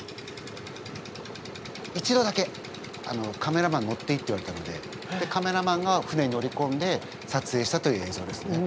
一度だけ「カメラマン乗っていい」って言われたのでカメラマンが船に乗りこんで撮影したという映像ですね。